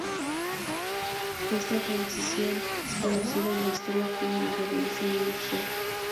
Esta transición es conocida en la historia como la Revolución Industrial.